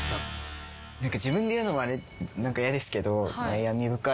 自分で言うのも何か嫌ですけど。